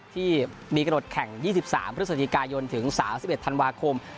ที่มีกระหนดแข่ง๒๓พฤศจิกายนถึง๓๑ธันวาคม